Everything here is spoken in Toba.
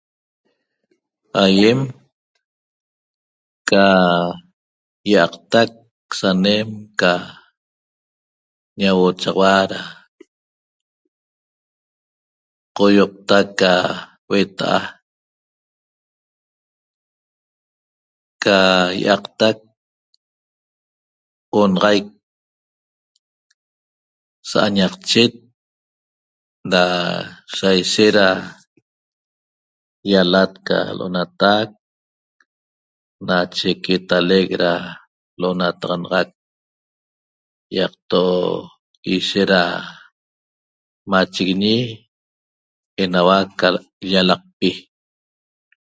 Aýem ca ýi'aqtac sanem ca ñauochaxaua da qoýota ca hueta'a ca hue'ta ca ýi'aqtac onaxaic sa'añaqchet da saishet da ýalat ca l'onatac nache quetalec da l'onataxanaxac ýaqto' ishet da machiguiñi enauac ca llalaqpi